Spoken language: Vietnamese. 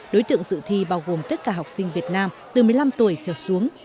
đối tượng dự thi bao gồm tất cả học sinh việt nam từ một mươi năm tuổi trở xuống